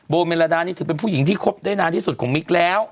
เมลาดานี่ถือเป็นผู้หญิงที่คบได้นานที่สุดของมิกแล้ว